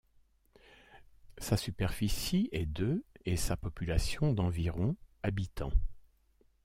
Sa superficie est de et sa population d'environ habitants.